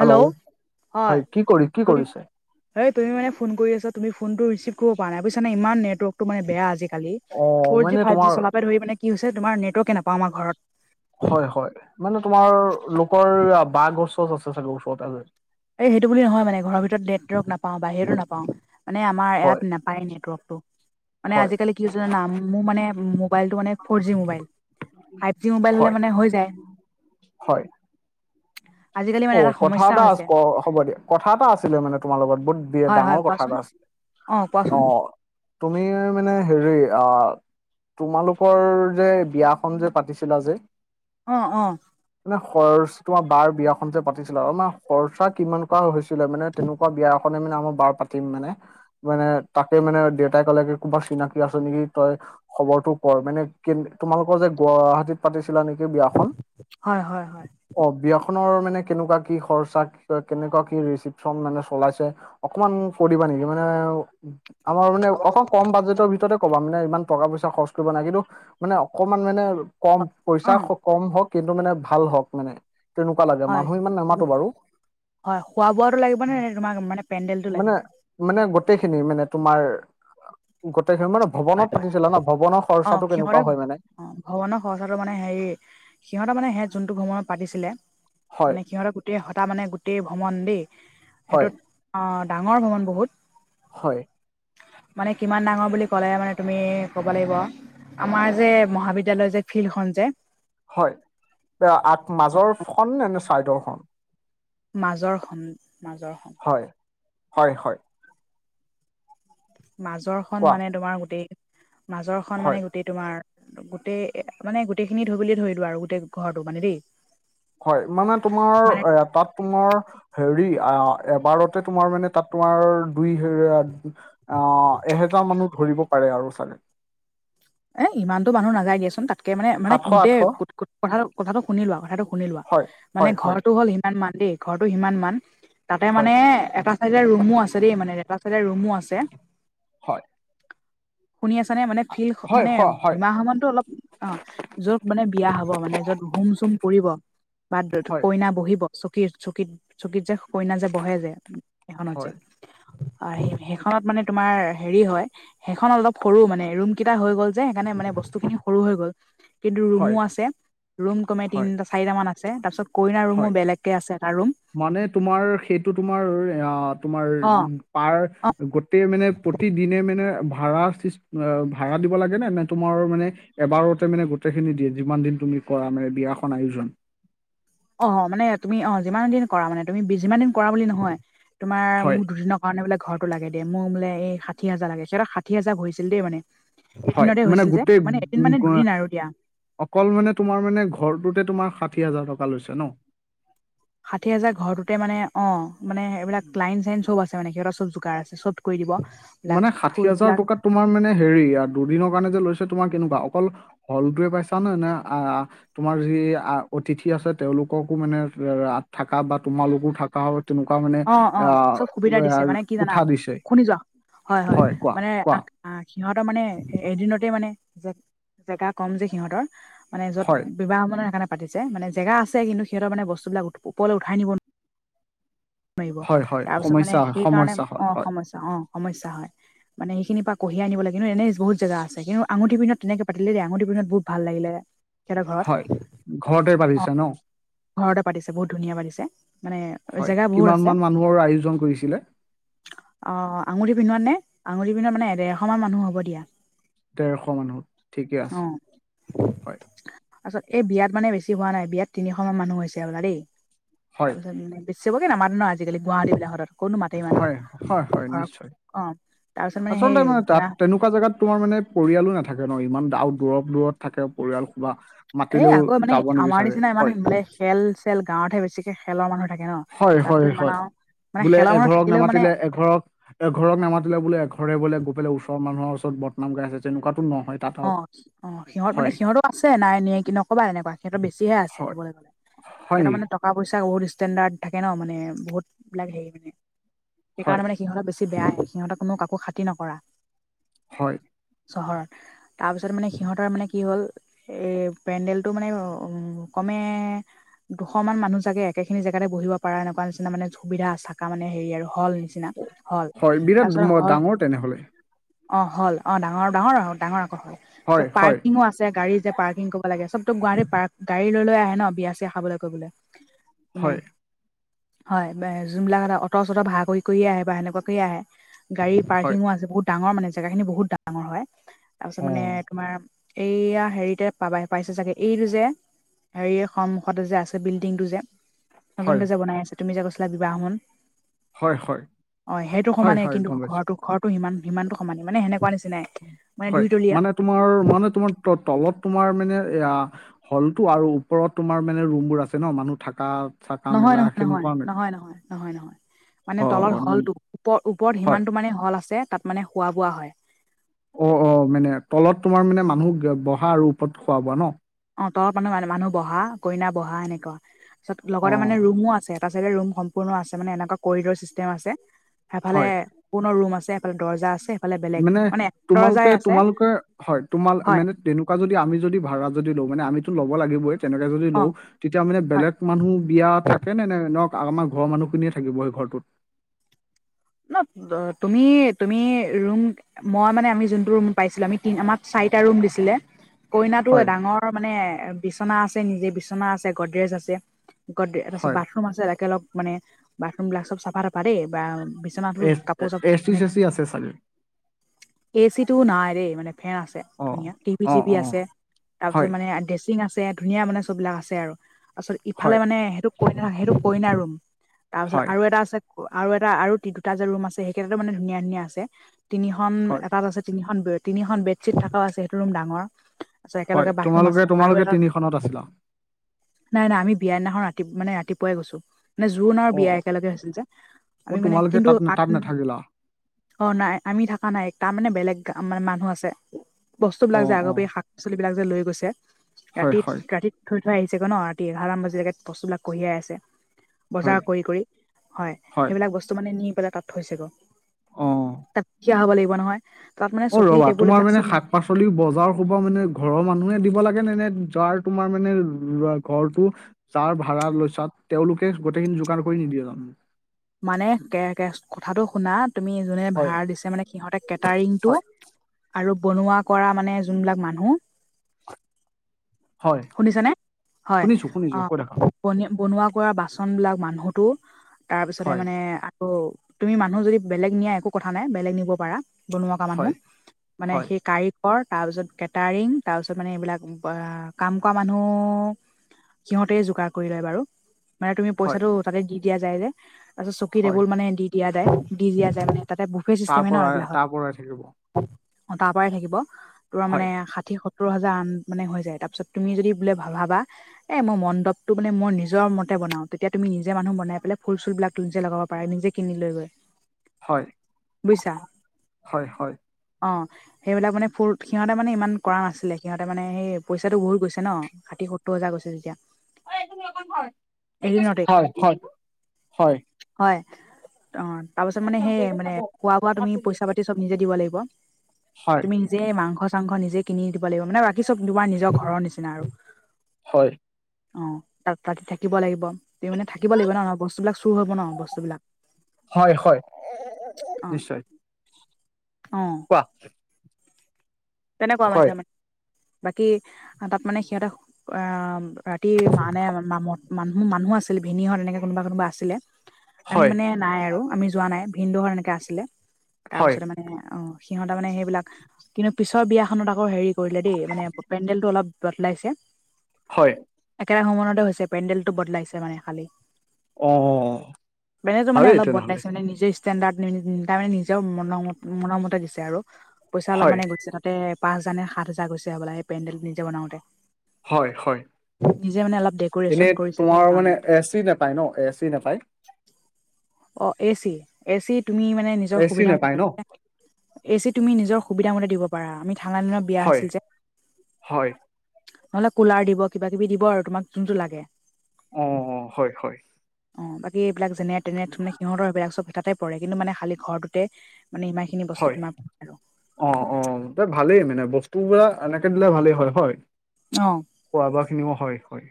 Hello! হয় কি কৰি, কি কৰিছে? এই তুমি মানে ফোন কৰি আছা, তুমি ফোনটো ৰিচিভ কৰিব পৰা নাই। বুইছানে ইমান নেটৱৰ্কটো মানে বেয়া আজিকালি। অ মানে ফ'ৰ-জি, তোমাৰ ফাইভ-জি চলাপা ধৰি মানে কি হৈছে, তোমাৰ নেটৱৰ্কে নাপাওঁ আমাৰ ঘৰত। হয় হয়, মানে তোমাৰ লোকৰ বাঁহ গছ- চছ আছে চাগে, ওচৰতে এই সেইটো বুলি নহয় মানে! ঘৰৰ ভিতৰত নেটৱৰ্ক নাপাওঁ, বাহিৰতো নাপাওঁ। মানে আমাৰ হয় ইয়াত নাপায়েই নেটৱৰ্কটো। মানে হয় আজিকালি কি হৈছে জানা! মোৰ মানে মোবাইলটো মানে ফৰ-জি মোবাইল, ফাইভ-জি মোবাইল হয় হ'লে মানে হৈ যায়। হয় আজিকালি মানে অ' কথা সমস্যা এটা হৈছে আচ- ক হ'ব দিয়া। কথা এটা আছিলে মানে তোমাৰ লগত বহুত। বিৰাট হয় হয় ডাঙৰ কথা কোৱাচোন এটা আছিলে। অ কোৱাচোন অ' তুমি মানে হেৰি আ। তোমালোকৰ যে, বিয়াখন যে পাতিছিলা যে। অ' অ'। মানে খৰচ, তোমাৰ বাৰ বিয়াখন যে পাতিছিলা আৰু মানে খৰচা কিমান কৰা হৈছিল? মানে তেনেকুৱা বিয়া এখনে মানে আমাৰ বাৰ পাতিম মানে! মানে তাকে মানে দেউতাই ক'লে কি কোনবা চিনাকি আছে নেকি? তই খবৰটো কৰ মানে কে তোমালোকৰ যে গুৱাহাটীত পাতিছিলা নেকি বিয়াখন! হয় হয় হয়। অ' বিয়াখনৰ মানে কেনেকুৱা কি খৰচা, কেনেকুৱা কি ৰিচিপচন মানে চলাইছে? অকমান কৈ দিবা নেকি? মানে, আমাৰ মানে অকন কম বাজেটৰ ভিতৰতে ক'বা মানে ইমান টকা-পইচা খৰচ কৰিব নাই। কিন্তু মানে অকমান মানে কম অ পইচা। কম হওক কিন্তু মানে ভাল হওক মানে। তেনেকুৱা লাগে। হয়, মানুহ ইমান নামাতো বাৰু হয়। খোৱা-বোৱাটো লাগিব নে? নে তোমাক মানে পেণ্ডেলটো মানে লাগিব? মানে গোটেইখিনি, মানে তোমাৰ, গোটেইখিনি মানে হয় ভৱনত হয় পাতিছিলা ন? ভৱনৰ অ খৰচাটো সিহঁতে কেনেকুৱা হয় মানে? অ' ভৱনৰ খৰচাটো মানে হেৰি, সিহঁতৰ মানে সে যোনটো ভৱনত পাতিছিলে! হয় মানে সিহঁতৰ গোটেই হতা মানে গোটেই ভৱন দেই হয় সেইটোত অঁ ডাঙৰ ভৱন বহুত। হয়। মানে কিমান ডাঙৰ বুলি ক'লে মানে তুমি ক'ব লাগিব আমাৰ যে মহাবিদ্যালয় যে ফিল্ডখন যে। হয়। এ আগ মাজৰ খন নে নে চাইডৰ খন। মাজৰ খন উম মাজৰ খন। হয়, হয় হয়। মাজৰ খন কোৱা মানে তোমাৰ গোটেই মাজৰ খন হয় মানে গো গোটেই তোমাৰ গোটেই এ মানে গোটেই খিনি ধৰোঁ বুলি ধৰিলো আৰু গোটেই ঘৰটো মানে দেই। হয় মানে তোমাৰ মানে এ তাত। তোমাৰ হেৰী আ এবাৰতে তোমাৰ মানে তাত তোমাৰ দুই হেজাৰ অঁ এহেজাৰ মানুহ ধৰিব পাৰে আৰু চাগে। এই ইমানটো মানুহ নাযায় দিয়াচোন তাত কে মানে মানে সাতশ আঠশ গোটেই গোত গোত কথাটো কথাটো শুনি লোৱা কথাটো শুনি লোৱা, হয় মানে হয় হয় ঘৰটো হ'ল সিমান মান দেই ঘৰটো সিমান মান তাতে হয় মানে এটা চাইডে ৰুমো আছে দেই মানে তাতে ৰুমো আছে। হয়। শুনি আছানে? মানে ফিল হয় মানে হয় হয় ভীমা সমানটো অলপ। অঁ য'ত মানে বিয়া হ'ব মানে য'ত হোম চোম পৰিব বা হয় কইনা বহিব চকীত চকীত চকীত যে কইনা যে বহে যে সেই খনত যে। হয় অঁ সেইখনত মানে তোমাৰ হেৰী হয় সেইখনত অলপ সৰু মানে ৰুম এটা হৈ গ'ল যে সেইকাৰণে মানে বস্তু খিনিও সৰু হৈ গ'ল কিন্তু ৰুমো হয় আছে। ৰুম কমে হয় তিনিটা চাৰিটা মান আছে তাৰপিছত। কইনা ৰুমো হয়। বেলেগকে আছে এটা ৰুম মানে তোমাৰ সেইটো তোমাৰ অ তোমাৰ। অ পাৰ অ গোটেই মানে প্ৰতিদিনে মানে ভাড়া চিচ এ ভাড়া দিব লাগে নে? নে তোমাৰ মানে এবাৰতে মানে গোটেইখিনি দিয়ে যিমান দিন তুমি কৰা মানে বিয়াখন আয়োজন। অঁ মানে তুমি অঁ যিমান দিন কৰা মানে তুমি যিমান দিন কৰা বুলি নহয় তোমাৰ হয় মোক দুদিনত কাৰণে বোলে ঘৰটো লাগে দে মোৰ বোলে এই ষাঠি হাজাৰ লাগে সিহঁতৰ ষাঠি হাজাৰ ভৰিছিল দেই মানে। হয় এদিনতে মানে হৈছিল যে গোটেই মানে এদিন মানে গ- দুদিন আৰু দিয়া। অকল মানে তোমাৰ মানে ঘৰটোতে তোমাৰ ষাঠি হাজাৰ টকা লৈছে ন। ষাঠি হাজাৰ ঘৰটোতে মানে অঁ মানে এইবিলাক ক্লাইন চাইন চব আছে মানে সিহঁতৰ চব জোগাৰ আছে চব কৰি দিব। বিলাক মানে ষাঠি হাজাৰ ফুলবিলাক টকাত তোমাৰ মানে হেৰী আ দুদিনৰ কাৰণে যে লৈছে তোমাৰ কেনেকুৱা অকল হলটোৱে পাইছা নে? নে আ তোমাৰ যি আ অতিথি আছে তেওঁলোককো মানে এ থাকা বা তোমালোকো থাকা তেনেকুৱা মানে অ অ চব সুবিধা দিছে আহ মানে কি জানা কোঠা দিছে। শুনি যোৱা হয় হয়। কোৱা মানে কোৱা আ সিহঁতৰ মানে এদিনতে মানে জে জেগা কম যে সিহঁতৰ মানে য'ত হয় বিবাহ মানে সেকাণে পাতিছে। মানে জেগা আছে কিন্তু সিহঁতৰ মানে বস্তু বিলাক ওপৰলৈ উঠাই নিব নো নোৱাৰিব। হয় হয় তাৰপিছত মানে সমস্যা হয় সেইকাৰণে সমস্যা হয় অঁ হয় সমস্যা অঁ সমস্যা হয়। মানে সেইখিনি পা কঢিয়াই আনিব লাগে ন, এনেই বহুত জেগা আছে কিন্তু আঙুঠি পিন্ধোৱাত ধুনীয়াকে পাতিলে দেই আঙুঠি পিন্ধোৱাত বহুত ভাল লাগিলে। সিহঁতৰ ঘৰত হয়, ঘৰতে অ পাতিছে ন? ঘৰতে পাতিছে বহুত ধুনীয়া পাতিছে। মানে হয়, জেগা বহুত কিমান আছে মান মানুহৰ আয়োজন কৰিছিলে? অঁ আঙুঠি পিন্ধোৱাত নে? আঙুুঠি পিন্ধোৱাত মানে দেৰশ মান মানুহ হ'ব দিয়া। দেৰশ মানুহত ঠিকে অ আছে। হয় তাৰপিছত এই বিয়াত মানে বেছি হোৱা নাই বিয়াত তিনিশ মান মানুহ হৈছে ৰবা দেই। হয় তাৰপিছত বেছবকে নামাতে ন আজিকালি গুৱাহাটী বিলাকৰ ক'ত নো মাতে ইমানক হয় আৰু হয় হয় ঘৰৰত, নিশ্চয় অ' তাৰছত মানে সেই কিবা এনেকুৱা জেগাত তোমাৰ মানে পৰিয়ালো নাথাকে ন, ইমান আও দূৰত-দূৰত থাকে পৰিয়াল খোবা। এ আকৌ মানে আমাৰ নিচিনা ইমান মানে খেল-চেল গাঁৱতহে বেছি খেলৰ মানুহ থাকে ন, হয় হয় তাততো ইমান হয় আৱ মানে বোলে খেলৰ মানুহ এঘৰক থাকিলেও মানে নামাতিলে এঘৰক এঘৰক নামাতিলে বোলে এঘৰে বোলে গৈ পেলাই ওচৰ মানুহৰ ওচৰত বদনাম গাই আছে তেনেকুৱাটো নহয়। তাত আৰু অঁ অঁ সিহঁত মানে হয় সিহঁতো আছে নাই নিয়ে কি নক'বা এনেকুৱা সিহঁতৰ বেছিহে আছে হয় ক'বলে গ'লে। হয় নিকি? টক-পইচা বহুত ষ্টেণ্ডাৰ্ড থাকে ন মানে বহুত বিলাক হেৰি মানে, হয় সেইকাৰণে মানে সিহঁত বেছি বেয়া হে, সিহঁত কোনো কাকো খাতিৰ নকৰা। হয়। চহৰ তাৰপিছত মানে সিহঁতৰ মানে কি হ'ল, এ পেণ্ডেলটো মানে উ কমে দুশমান মানুহ চাগে একেখিনি জেগাতে বহিব পাৰা এনেকুৱা নিচিনা মানে সুবিধা থাকা মানে হেৰি আৰু হল নিচিনা। হল হয়, তাৰপিছত বিৰাট হল ডাঙৰ তেনেহলে। অ', হল অ', ডাঙৰ ডাঙৰ ডাঙৰ আকৌ হল, হয় পিছত হয় পাৰ্কিঙো আছে গাড়ী যে পাৰ্কিং কৰিব লাগে চবতো গুৱাহাটী পাৰ্ক, গাড়ী লৈ লৈ আহে ন বিয়া-চিয়া খাবলৈ কৰিবলৈ। কোনে? হয় হয়, যোনবিলাক এটা অট-চট ভাড়া কৰি কৰিয়ে আহে বা সেনেকুৱা কৰিয আহে, গাড়ী হয় পাৰ্কিঙো আছে বহুত ডাঙৰ মানে, জেগাখিনি বহুত ডাঙৰ হয়। তাৰপিছত অ মানে তোমাৰ এইয়া হেৰিতে পাবাই পাইছে চাগে, এইটো যে হেৰি এ সন্মুখতে যে আছে বিল্ডিংটো যে হয় নতুনকে যে বনাই আছে, তুমি যে কৈছিলা বিবাহ ভৱন। হয় হয় হয় অ', সেইটো হয় সমানেই হয় কিন্তু গম পাইছো ঘৰটো-ঘৰটো সিমান-সিমানতটো সমান, মানে সেনেকুৱা নিচিনাই। মানে হয়, দুইতলীয়া মানে তোমাৰ মানে তোমাৰ ত-তলত তোমাৰ মানে এয়া হলটো আৰু ওপৰত তোমাৰ মানে ৰুমবোৰ আছে ন মানুহ থাকা। চাকা নহয়, মেলা নহয়, নহয়, সেনেকুৱা মানে নহয়, নহয়। নহয় নহয়, মানে অ তলত অ হলটো ন- ওপ-ওপৰত হয় সিমানটো মানে হল আছে তাত মানে খোৱা-বোৱা হয়। অ', অ', মানে তলত তোমাৰ মানে মানুহ বহা আৰু ওপৰত খোৱা-বোৱা ন। অ', তলত মানে মানুহ মে মানুহ বহা কইনা বহা এনেকুৱা। তাৰছত অ লগতে মানে ৰুমো আছে, এটা চাইডে ৰুম সম্পূৰ্ণ আছে মানে এনেকুৱা কৰিডৰ চিষ্টেম আছে। সেফালে, হয় পূৰ্ণ ৰুম আছে এফালে দৰ্জা আছে। সেইফালে বেলেগ মানে দৰ্জাই আছে তোমালোকে-তোমালোকে হয়, তোমাল হয় মেনে তেনেকুৱা যদি আমি যদি ভড়া যদি লওঁ, মানে আমিতো ল'ব লাগিবই তেনেকে যদি অ লও, তিতিয়া মানে হয় বেলেগ মানুহ বিয়া থাকে নে ন আমাৰ ঘৰৰ মানুহখিনিয়ে থাকিব সেই ঘৰটোত? ন তুমি-তুমি ৰুম মই মানে আমি যোনটো ৰুম পাইছিলো আমি তি আমাক চাৰিটা ৰুম দিছিলে। কইনাটো এ হয় ডাঙৰ মানে বিচনা আছে, নিজে বিচনা আছে, গডৰেজ আছে। গডে, এ তাৰছত হয় বাথৰুম আছে একেলগ মানে বাথৰুম বিলাক চব চাফা-টাফা দেই বা বি বিচনাটো এ কাপোৰ-চাপোৰ চি এ, চে চি আছে চাগে এ চিটো নাই দেই মানে ফেন আছে অ', ধুনীয়া, টি ভি চি অ', ভি অ', আছে তাৰপিছত হয়, মানে এ দেচ আছে, ধুনীয়া মানে চববিলাক আছে আৰু। তাৰছত ইফালে হয়, মানে সেইটো কইনা সেইটো কইনা ৰুম, তাৰপিছত হয়, আৰু এটা আছে আৰু এটা আৰু এটা যে ৰুম আছে সেইকেইটাটো মানে ধুনীয়া ধুনীয়া আছে। তিনিখন হয়, এটাত আছে তিনিখন তিনিখন বেডশ্বীট থকাও আছে, সেইটো ৰুম ডাঙৰ। আছে হয়, একেলগে বাথৰুম তোমালোকে আছে আৰু তোমালোকে এটা তিনিখনত আছিলা নাই, নাই আমি বিয়া দিনাখন ৰাতি মানে ৰাতিপুৱাই গৈছোঁ। মানে জুৰোন আৰু বিয়া অ', অ', একেলগে হৈছিল যে, অ আমি মানে তোমালোকে তাত কিন্তু নে- তাত আন নাথাকিলা অ' নাই আমি থকা নাই, তাৰমানে বেলেগ মানে মানুহ আছে। বস্তু বিলাক যে অ', আগতে অ', শাক পাচলিবিলাক যে লৈ গৈছে হয়, হয়, ৰাতিত-ৰাতিত থৈ-থৈ আহিছেগৈ ন ৰাতিয়ে এঘাৰমান বজালৈকে বস্তুবিলাক কঢ়িয়াই আছে। হয়, বজাৰ কৰি-কৰি, হয়। সেইবিলাক বস্তু মানে নি পেলাই তাত থৈছেগৈ। অ', তাত থিয়া হ'ব লাগিব নহয়, তাত মানে অ', চকী ৰ'বা টেবুল তোমাৰ এইবিলাক মানে চব শাক পাচলি বজাৰ সোপা মানে ঘৰৰ মানুহে দিব লাগে নে নে যাৰ তোমাৰ মানে ঘৰটো? যাৰ ভাড়া লৈছা তেওঁলোকে গোটেইখিনি যোগাৰ কৰি নিদিয়ে জানো? মানে কে-কেচ কথাটো শুনা, তুমি যোনে হয়, ভভড় দিছে মানে সিহঁতে কেটাৰিং টো হয়, আৰু বনোৱা কৰা মানে যোনবিলাক মানুহ হয়, শুনিছে নে? হয়, শুনিছো শুনিছো কৈ অ' থাকা বন বনোৱা কৰা বাচন বিলাক মানুহতো তাৰপিছতে হয়, মানে আকো তুমি মানুহ যদি বেলেগ নিয়া একো কথা নাই বেলেগ নিব পাৰা। বনোৱা কৰা মানুহ, হয়, মানে হয়, সেই কাৰ তাৰপিছত কেটাৰিং তাৰ পিছত মানে এইবিলাক কাম কৰা মানুহ সিহঁতে যোগাৰ কৰি লয় বাৰু মানে তুমি হয়, পইচাটো তাতে দি দিয়া যায় যে। তাৰপাছত চকী হয়, টেবুল মানে দি দিয়া যায়, দি দিয়া যায় মানে তাতে বুফে তাৰ চিষ্টেমে ন পৰা এইবিলাকত। তাৰ পৰাই থাকিব অ' তাৰ পৰাই থাকিব তোৰ মানে হয়, ষাঠি সত সত্তৰ হাজাৰ আন মানে হৈ যায় তাৰপিছত তুমি যদি বোলে ভাবা এ মই মণ্ডপটো মানে মই নিজৰ মতে বনাওঁ তেতিয়া তুমি নিজে মানুহ বনাই পেলাই ফুল চুলবিলাক ত নিজে লগাব পাৰা, নিজে কিনি লৈ গৈ। হয়। বুইছা? হয় হয় অ', সেইবিলাক মানে ফুৰ সিহঁতে মানে ইমান কৰা নাছিলে সিহঁতে মানে সেই পইচাটো বহুত গৈছে ন? ষাঠি সত্তৰ হাজাৰ গৈছে যেতিয়া। এদিনতে হয়, হয়, হয়। হয়। অ' তাৰপিছত মানে সেই মানে খোৱা বোৱা তুমি পইচা পাতি চ'ব নিজে দিব লাগিব। হয় নিজেই মাংস চাংস নিজে কিনি দিব লাগিব মানে বাকি চব তোমাৰ নিজৰ ঘৰৰ নিচিনা আৰু। হয়। অ', তাত ৰাতি থাকিব লাগিব, তুমি মানে থাকিব লাগিব ন অ', বস্তু এই বিলাক চুৰ হ'ব ন, বস্তুবিলাক? হয়, হয়, অ' নিশ্চয়। অ'। কোৱা? তেনেকুৱা পাইছে হয় মানে, বাকী সিহঁতক মানে সিহঁতে আ ৰাতি মানে [unintelligible] মানুহ-মানুহ আছিল ভিনী হত তেনেকে কোনোবা-কোনোবা আছিলে। আমি হয় মানে নাই আৰু আমি যোৱা নাই, ভিণ্ড এনেকে আছিলে, তাৰ হয় পিছতে মানে অ, সিহঁতে মানে সেইবিলাক কিন্তু পিছৰ বিয়াখনত আকৌ হেৰি কৰিলে দেই মানে পেণ্ডেলটো অলপ বদোলাইছে। হয়। একেটা ভৱনতে হৈছে পেণ্ডেলটো বদলাইছে মানে খালি। অ পেণ্ডেলটো মানে ভালেই অলপ তেনেহলে বদলাইছে মানে নিজে ষ্টেণ্ডাৰ্ড তাৰ মানে নিজৰ মনৰ-মনৰ মতে দিছে আৰু পইচা অলপ হয় মানে তাতে পাঁচ হাজাৰ নে সাত হাজাৰ গৈছে হবলা এই পেণ্ডেল নিজে বনাওতে। হয়, হয়, অলপ ডেক'ৰেশ্যন এনেই কৰিছে যে তোমাৰ মানে সেইকাৰণে এ চি নাপায় ন এ চি নাপায়। অ', এচি? এচি তুমি মানে নিজৰ এ চি সুবিধা নাপায় ন এ চি তুমি নিজৰ সুবিধা মতে দিব পাৰা আমি ঠাণ্ডা দিনত বিয়া হয় হৈছিল যে। হয়। নহ'লে কুলাৰ দিব কিবা কিবি দিব আৰু তোমাক যোনটো লাগে। অ', অ', হয়, হয়। অ', বাকী এইবিলাক যেনেত তেনেত মানে সিহঁতৰ হেইবিলাক চব এটাতে পৰে কিন্তু মানে খালী ঘৰটোতে মানে সিমান খিনি হয় বস্তু তোমাৰ [inaudible] আৰু। অ', অ', ত ভালেই মানে বস্তুবিলাক এনেকে দিলে ভালেই হয়, হয়। অ'। খোৱা বোৱা খিনিও হয়, হয়।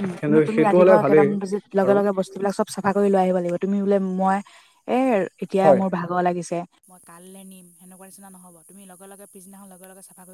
উম, কিন্তু তুমি সেইটো হ'লে ৰাতিপুৱা ভালেই কেইটামান বজাত লগে আৰু -লগে বছ বিলাক চ'ব চাফা কৰি লৈ আহিব লাগিব তুমি বোলে মই এ এতিয়া হয় মোৰ ভা [unintelligible] লাগিছে মই কাল্লে নিম সেনেকুৱা নিচিনা নহ'ব তুমি লগে লগে পিছদিনাখন লগে লগে চাফা কৰি